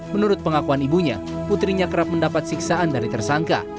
menurut pengakuan ibunya putrinya kerap mendapat siksaan dari tersangka